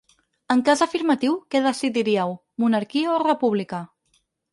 En cas afirmatiu, què decidiríeu: monarquia o república?